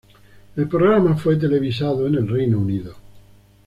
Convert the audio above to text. El programa fue televisado en el Reino Unido.